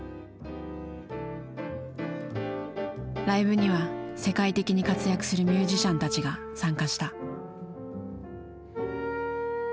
ライブには世界的に活躍するミュージシャンたちが参加した。